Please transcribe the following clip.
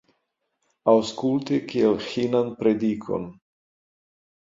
Aŭskulti kiel ĥinan predikon.